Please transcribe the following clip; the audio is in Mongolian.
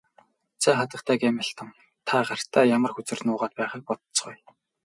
За хатагтай Гамильтон та гартаа ямар хөзөр нуугаад байгааг бодоцгооё.